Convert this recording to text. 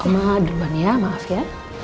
jangan juman ya maaf ya